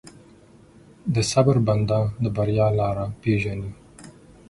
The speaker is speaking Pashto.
د صبر بنده، د بریا لاره پېژني.